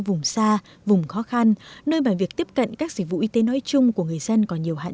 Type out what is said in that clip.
vùng xa vùng khó khăn nơi mà việc tiếp cận các dịch vụ y tế nói chung của người dân còn nhiều hạn